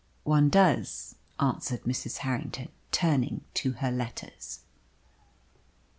"One does," answered Mrs. Harrington, turning to her letters.